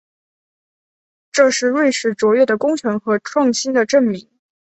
这是瑞士卓越的工程和创新的证明。